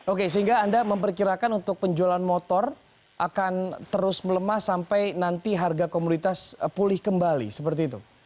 oke sehingga anda memperkirakan untuk penjualan motor akan terus melemah sampai nanti harga komoditas pulih kembali seperti itu